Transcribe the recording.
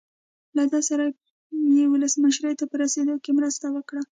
له ده سره یې ولسمشرۍ ته په رسېدو کې مرسته وکړه.